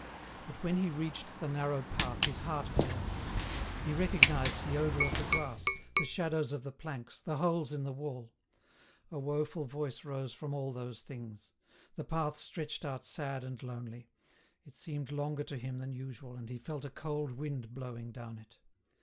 But when he reached the narrow path his heart failed him. He recognised the odour of the grass, the shadows of the planks, the holes in the wall. A woeful voice rose from all those things. The path stretched out sad and lonely; it seemed longer to him than usual, and he felt a cold wind blowing down it.